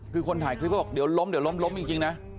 คือคนถ่ายคลิปเขาบอกอย่าล้มล้มจริงนะ